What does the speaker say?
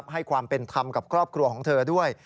ให้ความเป็นธรรมกับครอบครัวของเธอด้วย